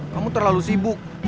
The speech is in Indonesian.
kamu terlalu sibuk